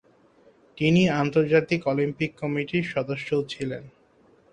তিনি আন্তর্জাতিক অলিম্পিক কমিটির সদস্যও ছিলেন।